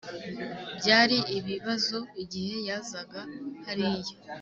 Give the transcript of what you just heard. byari ibibazo igihe yazaga hariya